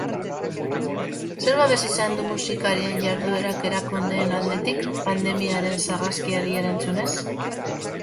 Zer babes izan du musikarien jarduerak erakundeen aldetik, pandemiaren sarraskiari erantzunez?